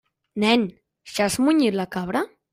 Nen, ja has munyit la cabra?